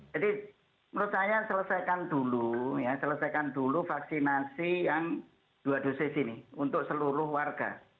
jadi menurut saya selesaikan dulu vaksinasi yang dua dosis ini untuk seluruh warga